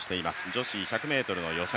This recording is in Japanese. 女子１００ｍの予選。